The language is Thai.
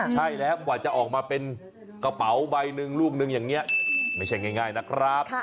ใช่แล้วกว่าจะออกมาเป็นกระเป๋าใบหนึ่งลูกนึงอย่างนี้ไม่ใช่ง่ายนะครับ